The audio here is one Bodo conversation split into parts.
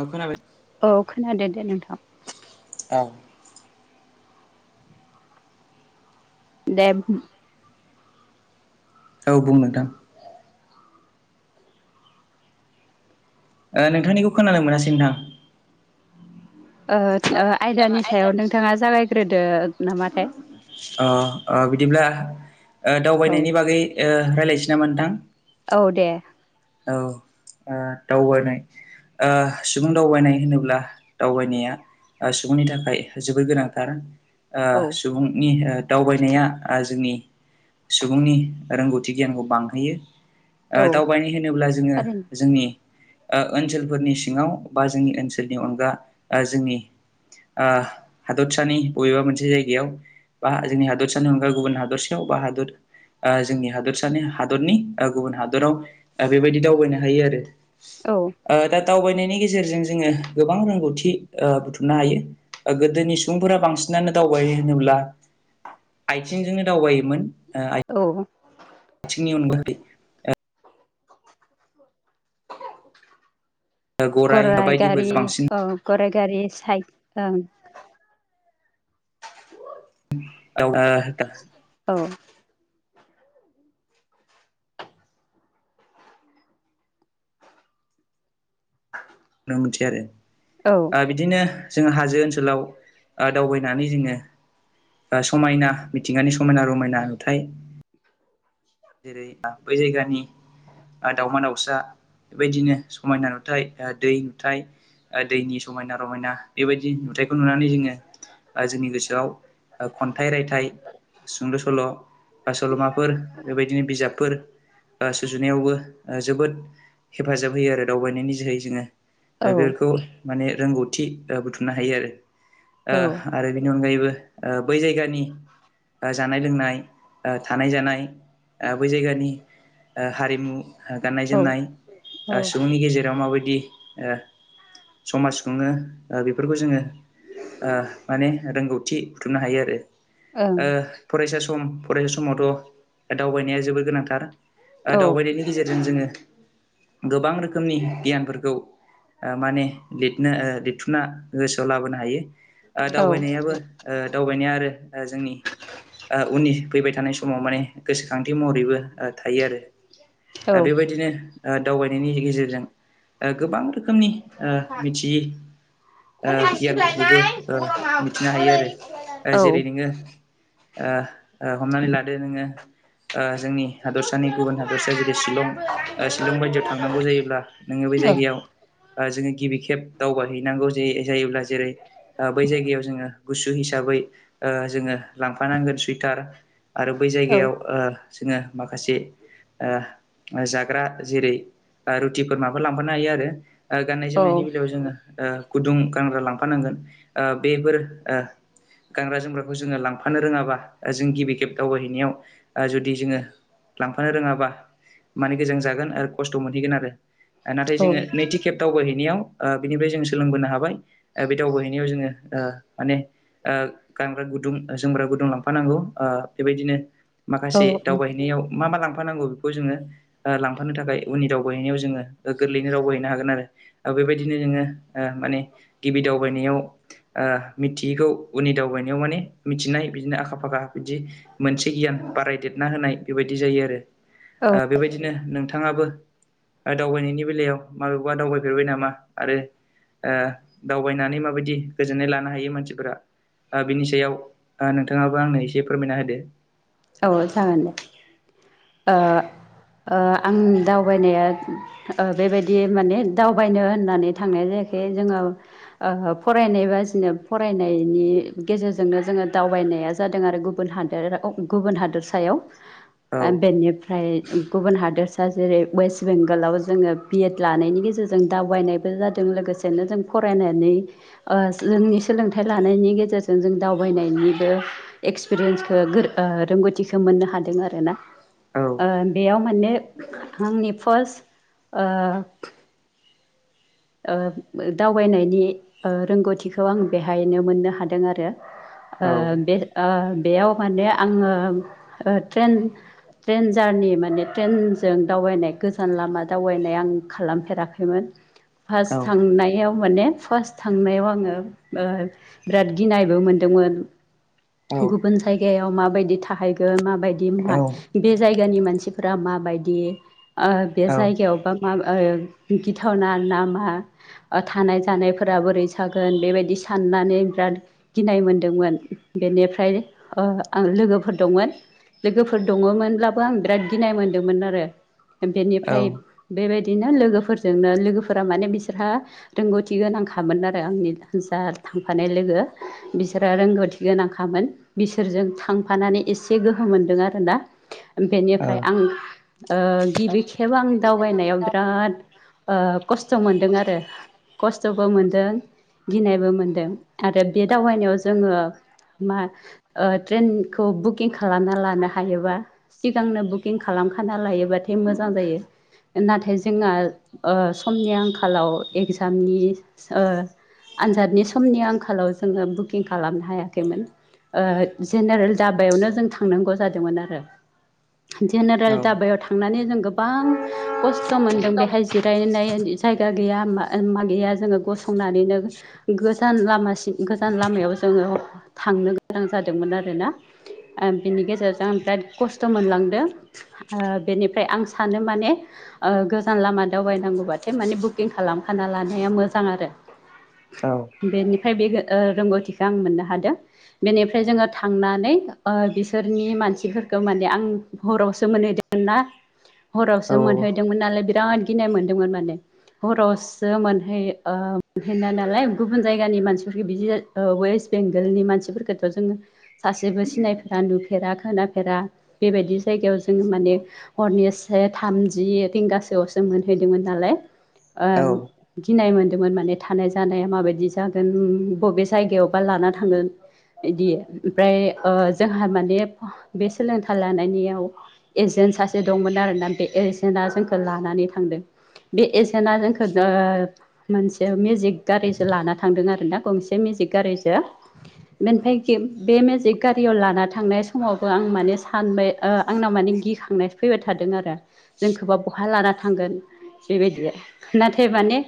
औ खोनाबाय औ खोनादो दे नोंथां। औ। दे [inaudible] औ बुं नोंथां। ओ नोंथांनिखौ खोनानो मोनासै नोंथां। ओ ओ आयदानि सायाव नोंथाङा जागायग्रोदो नामाथाय। अ अ बिदिब्ला ओ औ दावबायनायनि बागै ओ रायलायसिनामा नोंथां। औ दे। औ आ दावबायनाय ओ सुबुं दावबायनाय होनोब्ला दावबायनाया ओ सुबुंनि थाखाय जोबोर गोनांथार ओ औ सुबुंनि ओ दावबायनाया आ जोंनि सुबुंनि रोंगौथि गियानखौ बांहोयो। ओ औ दावबायनो होनोब्ला जोङो थारैनो जोंनि ओ ओनसोलफोरनि सिङाव बा जोंनि ओनसोलनि अनगा ओ जोंनि आह हादतसानि बबेबा मोनसे जायगायाव बा जोंनि हादरसानि अनगायै गुबुन हादरसायाव बा हादर ओ जोंनि हादरसानि हादरनि ओ गुबुन हादराव ओ बेबायदि दावबायनो हायो आरो। औ ओ दा दावबायनायनि गेजेरजों जोङो गोबां रोंगौथि ओ थु नो हायो ओ गोदोनि सुबुंफोरा बांसिनानो दावबायो होनोब्ला आइथिंजोंनो दावबायोमोन। औ। थिंनि अनगायै ओ गराइ गराय गारि बायदिफोरजों बांसिन औ गराय गारि साइ ओं [inaudible] औ दा औ। मिथियो आरो औ ओ बिदिनो जों हाजो ओनसोलाव ओ दावबायनानै जोङो ओ समायना मिथिंगानि समायना रमायना नुथाय जेरै बै जायगानि ओ दावमा दाउसा बेबायदिनो समायना नुथाय ओ दै नुथाय ओ दैनि समायना रमायना बेबायदि नुथायखौ नुनानै जोङो ओ जोंनि गोसोआव ओ खन्थाइ रायथाइ सुंद' सल' बा सल'माफोर बेबायदिनो बिजाबफोर ओ सुजुनायावबो ओ जोबोद हेफाजाब होयो आरो दावबायनायनि जोहै जोङो औ बेफोरखौ माने रोंगौथि ओ बुथुमनो हायो आरो ओ औ आरो बेनि अनगायैबो ओ बै जायगानि ओ जानाय लोंनाय ओ थानाय जानाय ओ बै जायगानि ओ हारिमु गाननाय औ जोमनाय ओ सुबुंनि गेजेराव माबायदि ओ समाज खुङो ओ बेफोरखौ जोङो ओ माने रोंगौथि बुथुमनो हायो आरो। ओं ओ फरायसा सम फरायसा समावथ' दावबायनाया जोबोर गोनांथार ओ औ औ दावबायनायनि गेजेरजों जोङो गोबां रोखोमनि गियानफोरखौ ओ माने लिरनो ओ लिरथुमना गोसोआव लाबोनो हायो। ओ औ दावबायनायाबो ओ दावबायनाया जोंनि ओ उननि फैबाय थानाय समाव माने गोसोखांथिमहरैबो ओ थायो आरो दा बेबायदिनो ओ दावबायनायनि गेजेरजों ओ गोबां रोखोमनि ओ मिथियि ओ गियानफोरखौबो ओ मिथिनो हायो आरो ओ जेरै नोङो ओ ओ हमनानै लादो नों ओ जोंनि हादरसानि गुबुन हादरसा जेरै शिलं ओ शिलं बायदियाव थांनांगौ जायोब्ला ङो बे जायगायाव ओ जोङो गिबि खेब दावबाय हैैनांगौ जे जायोब्ला जेरै ओ बै जायगायाव जोङो गुसु हिस हिसाबै ओ जोङो लांफानांगोन सुइटार आरो बै औ औ जायगायाव ओ जोङो माखासे ओ जाग्रा जेरै रुटिफोर माबा लांफानो हायो आरो ओ गाननाय जोमनायनि औ बेलायाव जोङो ओ गुदुं गानग्रा लांफानांगोन ओ बेफोर ओ गानग्रा जोमग्राखौ जोङो लांफानो रोङाबा जों गिबि खेब दावबायहैनायाव ओ जुदि जोङो लांफानो रोङाबा माने गोजां जागोन आरो खस्थ' मोनहैगोन आरो नाथाय औ जोङो नैथि खेब दावबायहैनायाव ओ बिनिफ्राय जों सोलोंबोनो हाबाय बे दावबायहैनायाव जोङो ओ माने ओ गानग्रा गुदुं जोमग्रा गुदुं लांफानांगौ ओ बेबायदिनो औ माखासे दावबायहैनायाव मा मा लांफानांगौ बेखौ जोङो ओ लांफानो थाखाय उननि दावबायहैनायाव जोङो ओ गोरलैयैनो दावबाय हैैनो हागोन आरो बेबायदिनो नोङो ओ माने गिबि दावबायनायाव ओ मिथियैखौ उननि दावबायनायाव माने मिथिनाय बिदिनो आखा फाखा बिदि मोनसे गियान बारायदेरना होनाय बेबायदि जायो आरो औ ओ बेबायदिनो नोंथाङाबो ओ दावबायनायनि बेलायाव माबेयावबा दावबायफेरबाय नामा आरो ओ दावबायनानै माबायदि गोजोननाय लानो हायो मानसिफोरा ओ बिनि सायाव ओ नोंथाङाबो आंनो एसे फोरमायना होदो औ जागोन दे ओ ओ आंनि दावबायनाया ओ बेबायदि माने दावबायनो होननानै थांनाय जाया जे जोङो ओ फरायनाय बाजिनो फरायनायनि गेजेरजोंनो जोङो दावबाय नाया जादों आरो गुबुन हादोराव गुबुन हादोरसायाव ओ बेनिफ्रा ओमफ्राय गुबुन हादोरसा जेरै वेस्ट बेंगलाव जोङो बिएड लानायनि गेजेरजों दावबायनाय लोगोसेनो जों फरायनानै जोंनि सोलोंथाइ लानायनि गेजेरजों जों दावबाय फैनायनिबो एक्सपिरियेन्सखौ रोंगौथिखौ मोननो हादों आरोना औ बेयाव माने आंनि फार्स्ट दावबायनायनि रोंगौथिखौ आं बेहायनो मोननो हादों आरो औ औ बे बेयाव माने आङो ट्रेन ट्रेन जारनि माने ट्रेनजों दावबायनाय गोजान लामा दावबायनाय आं खालामफेराखैमोन फार्स्ट औ थांनायाव माने फार्स्ट थांनायाव आङो बिराद गिनायबो मोनदोंमोन गुबुन जायगायाव माबायदि थाहैगोन माबायदि औ बे जायगानि मानसिफोरा माबायदि बे औ जायगायावबा मा गिथावना ना मा थानाय जानायफोरा बोरै जागोन बेबायदि साननानै बिराद गिनाय मोन्दों बेनिफ्राय आं लोगोफोर दंमोन लोगोफोर दङमोनब्लाबो आं बिराद गिनाय मोनदोंमोन आरो बेनिफ्राय बेबायदिनो लोगोफोरजोंनो लोगोफोर माने बिसोरहा रोंगौथि गोनांखामोन आरो आंनि जा थांफानाय लोगो बिस बिसोरा रोंगौथि गोनांखामोन बिसोरजों थांफानानै एसे गोहो मोनदों आरोना औ बेनिफ्राय आं गिबि खेब आं दावबायनायाव बिराद खस्थ' मोन्दों आरो खस्थ'बो मोनदों गिनायबो मोनदों आरो बे दावबायनायाव जोङो मा ट्रेनखौ बुकिं खालामना लानो हायोबा सिगांनो बुकिं खालाम खालामना लायोबाथाय मोजां जायो नाथाय जोंहा ओ समनि आंखालाव एग्जामनि आनजादनि समनि आंखालाव जोङो बुकिं खालामनो हायाखैमोन ओ जेनेरेल दाबायावनो जों थांनांगौ जादोंमोन आरो जेनेरेल औ दाबायाव थांनानै जों गोबां खस्थ' मोनदों बेहाय जिरायनाय जायगा गैया मा गैया जोङो गसंनानैनो गोजान लामासिम गोजान लामायाव याव जोङो थांनो गोनां जादोंमोन आरोना बिनि गेजेरजों आं बिराद खस्थ' मोनलांदों ओ बेनिफ्राय आं सानो माने ओ गोजान लामा दावबायनांगौ बाथाय माने बुकिं खालामखाना लानाया मोजां आरो बेनिफ्राय बे ओ रोंगौथिखौ आं मोननो हादों बेनिफ्राय जोङो थांनानै बिसोरनि मानसिफोरखौ माने आं हरावसो मोनहैदों ना हरावसो मोनहैदोंमोन नालाय बिराद गिनाय मोनदोंमोन माने हरावसो मोनहै ओ मोनहैनाय नालाय गुबुन जायगानि मानसिफोरखौ बिदि वेस्ट बेंगलनि मानसिफोरखौथ' जोङो सासेबो सिनायफेरा नुफेरा खोनाफेरा बेबाय बे बायदि जायगायाव जोङो माने हरनि से थामजि रिंगासोआवसो मोनहैदोंमोन नालाय ओ औ गिनाय मोनदों मोन माने थानाय जानाया माबायदि जागोन बबे जायगायावबा लाना थांगोन बिदि ओमफ्राय ओ जोंहा माने बे सोलोंथाइ लानायनियाव ए एजेन्ट सासे दंमोन आरोना बे एजेन्टआ जोंखौ लानानै थांदों बे एजेन्टआ जोंखौ ओ मोनसे मेजिक गारिजों लाना थांदों आरोना गंसे मेजिक गारि ओनफाय बे मेजिक गारियाव लाना थांनाय समावबो आं माने सा सानबाय आंनाव माने गिखांनाय फैबाय थादों आरो जोंखौबा बहा लाना थांगोन बेबायदि नाथाय माने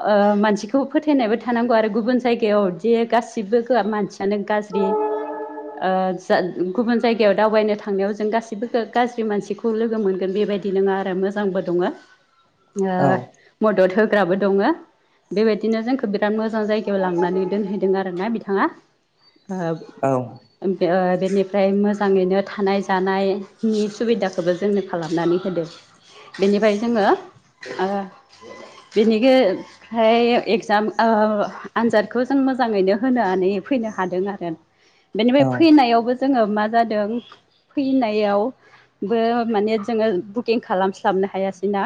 ओ मानसिखौ फोथायनायबो थानांगौ आरो गुबुन जायगायावदि गासिबो मानसियानो गाज्रि ओ गुबुन जायगायाव दावबायनो थांनायाव जों गासिबो गाज्रि मानसिखौ लोगो मोनगोन बे बेबायदि नङा आरो मोजांबो दङ ओ औ मदद होग्राबो दङ बेबायदिनो जोंखौ बिराद मोजां जायगायाव लांनानै दोनहैदों आरोना बिथाङा ओ ओम ओ बेनिफ्राय मोजाङैनो थानाय जानायनि सुबिदाखौबो जोंनो खालामनानै होदों बेनिफाय जोङो ओ बेनिगे फाय एक्जाम ओ‌‌ आनजादखौ जों मोजाङैनो होनानै फैनो फैनो हादों आरो बेनिफ्राय औ फैनायावबो जोङो मा जादों फैनायाव बो माने जोङो बुकिं खालामस्लाबनो हायासै ना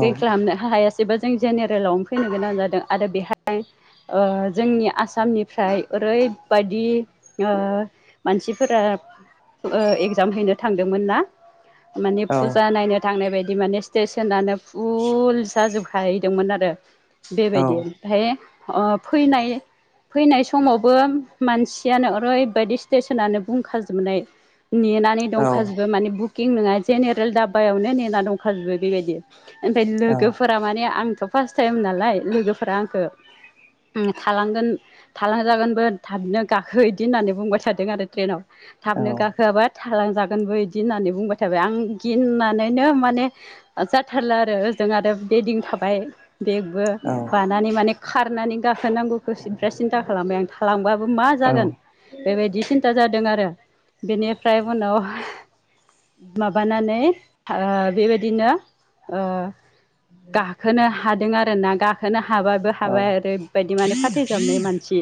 औ खालामनो हायासैबा जों जेनेरेलावनो फैनो गोनां जादों आरो बेहाय ओ ओ जोंनि आसामनिफ्राय ओरैबायदि ओ मानसिफोरा ओ‌ एगजाम हैनो थांदोंमोन ना माने औ फुजा नायनो थांनाय बायदि माने स्टेसनानो फुल जाजोबखाहैदोंमोन आरो बेबायदि ओमफाय अ फैनाय फैनाय समावबो मानसियानो ओरैबायदि स्टेसनानो बुंखाजोबनाय नेनानै औ दंखाजोबो माने बुकिं नङा जेनेरेल दाब्बायावनो नेना दंखाजोबो बेबायदि ओमफाय औ लोगोफोरा माने आंथ‌ फार्स्ट टाइम नालाय लोगोफोरा आंखो थालांगोन थालांजागोनबो थाबनो गाखो इदि होननानै बुंबाय थादों आरो ट्रेनाव औ थाबनो गाखोआबा थालांजागोनबो इदि होननानै बुंबाय थाबाय आं गिननानैनो माने जाथारला आरो ओजों आरो बेदिं थाबाय बेगबो बानानै माने खारनानै गा गाखोनांगौखौ सिब्रा सिन्था खालामबाय आं थालांबाबो मा औ जागोन बेबायदि सिन्था जादों आरो बेनिफ्राय उनाव माबानानै ओ बेबायदिनो ओ गाखोनो हादों आरोना गाखोनो हाबाबो हाबाय आरो बायदि माने फाथैजाबनाय मानसि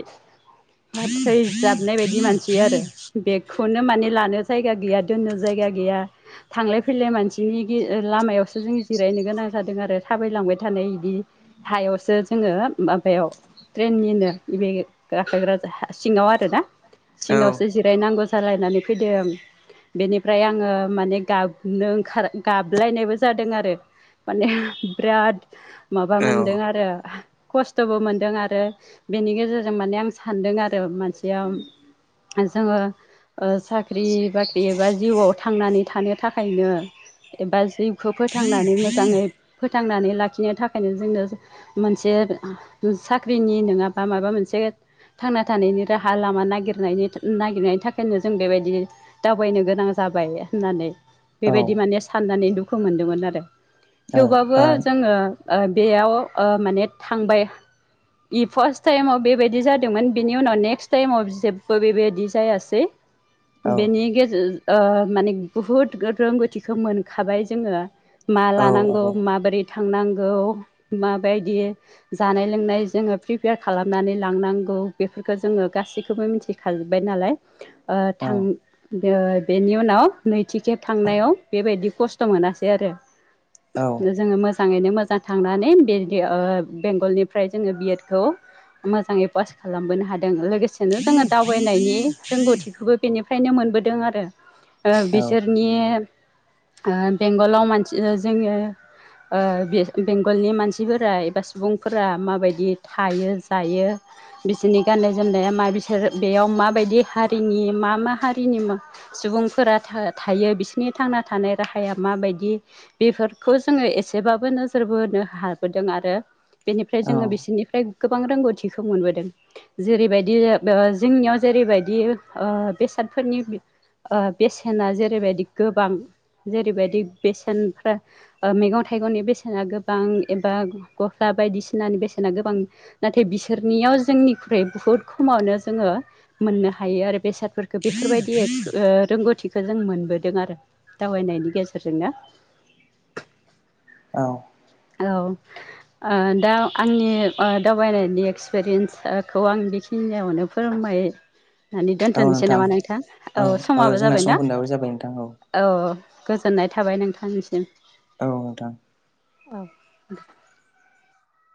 फाथै जाबनाय बायदि मानसि आरो बेखौनो माने लानो जायगा गैया दोननो जाय गा गैया थांलाय फैलाय मानसि नि गे ओ लामायावसो जों जिरायनो गोनां जादों आरो। थाबायलांबाय थानाय बिदि हायावसो जोङो माबायाव ट्रेननिनो बे गाख्लायग्रा सिङाव आरो ना ओ औ आब' सिङावसो जिरायनांगौ जालायनानै फैदों। बेनिफ्राय आङो माने गाबनो ओंखार गाबलायनायबो जादों आरो माने बिराद माबा औ मोनदों आरो। खस्थबो मोनदों आरो बेनि गेजेरजों माने आं सानदों आरो मानसैया जोङो ओ साख्रि बाख्रि एबा जिउआव थांनानै थानो थाखायनो एबा जिउखौ फोथांनानै मोजाङै फोथांनानै लाखिनो थाखायनो जोंनो मोनसे साख्रिनि नोङाबा माबा मोनसे थांना थानायनि राहा लामा नागिरनायनि नागिरनायनि थाखायनो जों बेबायदि दावबायनो गोनां जा जाबाय होननानै बेबायदि माने साननानै दुखु मोनदोंमोन आरो थेवबाबो जोङो ओ बेयाव ओ माने थांबाय इ फार्स्ट टाइमाव बेबायदि जादोंमोन बेनि उनाव नेक्स्ट टाइमाव जेबबो बेबायदि जायासै। बेनि गेजेर ओ माने बुहुद रोंगौथिखो मोनखाबाय जोङो। मा लानांगौ माबोरै थांनां गौ‌ माबायदि जानाय लोंनाय जोङो प्रिपेयार खालामनानै लांनांगौ बेफोर खो जोङो गासैखौबो मिथिखाजोबाय नालाय ओ थां बो बेनि उनाव नैथि खेब थांनायाव बेबायदि थ' मोनासै आरो। जोङो मो जाङैनो मोजां थांनानै बे दि ओ बेंगलनिफ्राय जोङो बिएडखौ मोजाङै पास खालामबोनो हादों। लोगोसेनो जोङो दावबायनायनि रोंगौथिखौबो बेनिफ्रायनो मोन नबोदों आरो। बेसोरनि ओ बेंगलाव मानसि ओ जोङो ओ बे बेंगलनि मानसिफोरा एबा सुबुंफोरा माबायदि थायो जायो बिसोरनि गाननाय जोमनाया मा बिसोर बेयाव माबायदि हारिनि मा मा हारिनि सुबुंफोरा था-थायो बिसोरनि थांना थानाय राहाया माबायदि बेफोरखौ जोङो एसेबाबो नोजोर बोनो हाबोदों आरो बेनिफ्राय औ जोङो बिसोरनिफ्राय गोबां रोंगौथिखौ मोनबोदों। जेरैबायदि ओ जोंनियाव जेरैबायदि ओ बेसादफोरनि बि ओ बेसेना जेरैबायदि गोबां जेरैबायदि बेसेनफ्रा ओ मैगं थाइगंनि बेसेना गोबां एबा गस्ला बायदिसिनानि बेसेना गोबां नाथाय बि सोरनियाव जोंनिख्रुइ बुहुत खमावनो जोङो मोननो हायो आरो बेसाद फोरखो। बेफोरबायदि एक्स रोंगौथिखौ जों मोनबोदों आरो। दावबायनायनि गेजेरजोंनो। औ। औ आ दा आंनि ओ दावबायनायनि एक्सपिरियेन्सखौ आं बे खिनियावनो फोरमाय नानै दोन्थ'नोसै नामा नोंथां। औ समाबो जोंना जाबाय ना? समखोन्दोआबो जाबाय नोंथां औ अ गोजोननाय थाबाय नोंथांनिसिम। औ नोंथां। औ।